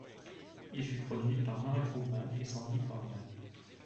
Il fut produit par Murray Krugman et Sandy Pearlman.